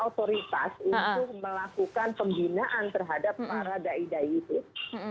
otoritas untuk melakukan pembinaan terhadap para da'i da'i itu tapi tidak dengan ya itu kalau kalau